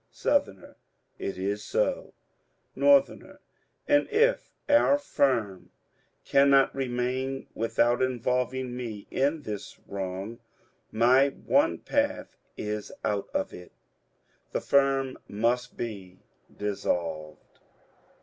Sou. — It is so. Nor. — And if our firm cannot remain without involving me in this wrong, my one path is out of it. The firm must be dissolved.